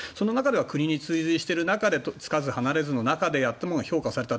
国に追随している中でつかず離れずでやっても評価された。